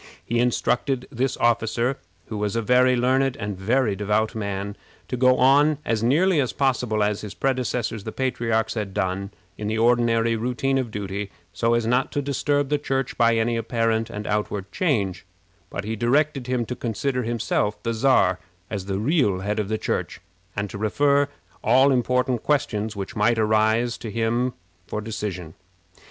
He instructed this officer, who was a very learned and a very devout man, to go on as nearly as possible as his predecessors, the patriarchs, had done, in the ordinary routine of duty, so as not to disturb the Church by any apparent and outward change; but he directed him to consider himself, the Czar, as the real head of the Church, and to refer all important questions which might arise to him for decision.